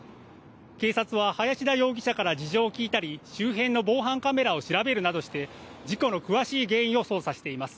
警察は林田容疑者から事情を聴いたり、周辺の防犯カメラを調べるなどして、事故の詳しい原因を捜査しています。